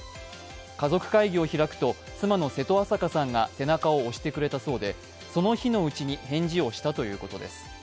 家族会議を開くと、妻の瀬戸朝香さんが背中を押してくれたそうで、その日のうちに返事をしたということです。